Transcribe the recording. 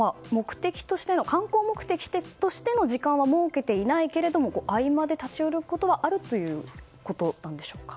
観光目的としての時間は設けていないけれども合間で立ち寄ることはあるということなんでしょうか。